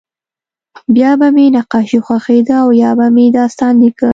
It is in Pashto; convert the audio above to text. بیا به مې نقاشي خوښېده او یا به مې داستان لیکه